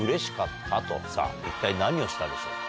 さぁ一体何をしたでしょうか？